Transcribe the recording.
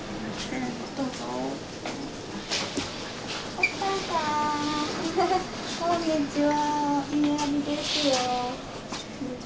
お母さん、こんにちは。